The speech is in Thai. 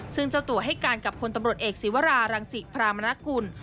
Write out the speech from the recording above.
ซึ่งเจ้าตัวให้การกับคนตำรวจเอกศิวรารังศิพรามนกุล